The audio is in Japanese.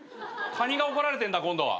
カニが怒られてるんだ今度は。